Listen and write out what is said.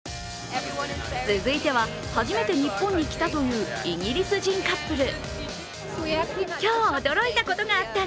続いては初めて日本に来たというイギリス人カップル。